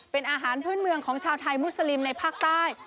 เป็นอาหารพื้นเมืองของชาวไทยมุสลิมในภาคใต้